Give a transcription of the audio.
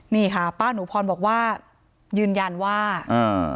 นี่ค่ะป้าหนูพรบอกว่ายืนยันว่าอ่า